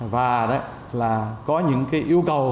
và có những yêu cầu